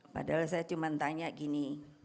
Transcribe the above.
padahal saya cuma tanya gini